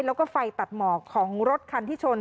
แล้วก็ไฟตัดหมอกของรถคันที่ชน